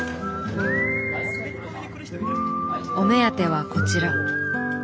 お目当てはこちら。